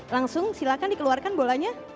langsung silahkan dikeluarkan bolanya